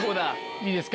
いいですか？